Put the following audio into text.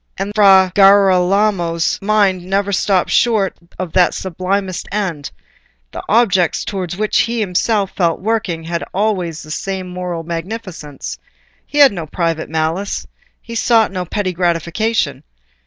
And Fra Girolamo's mind never stopped short of that sublimest end: the objects towards which he felt himself working had always the same moral magnificence. He had no private malice—he sought no petty gratification.